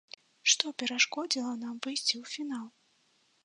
Што перашкодзіла нам выйсці ў фінал?